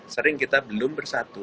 sering kita belum bersatu